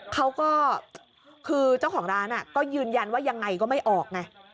เขาก็คือเจ้าของร้านก็ยืนยันว่ายังไงก็ไม่ออกไง